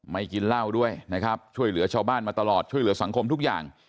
กินเหล้าด้วยนะครับช่วยเหลือชาวบ้านมาตลอดช่วยเหลือสังคมทุกอย่าง